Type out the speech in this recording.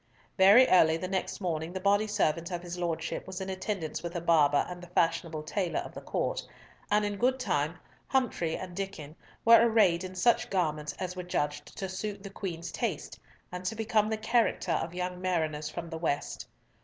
Very early the next morning the body servant of his Lordship was in attendance with a barber and the fashionable tailor of the Court, and in good time Humfrey and Diccon were arrayed in such garments as were judged to suit the Queen's taste, and to become the character of young mariners from the West.